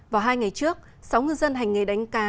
vào hai ngày trước sáu ngư dân hành nghề đánh cá